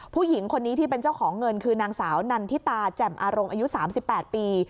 ผู้หญิงคนนี้ที่เป็นเจ้าของเงินคือนางสาวนันทิตาแจ่มอารมณ์อายุ๓๘ปี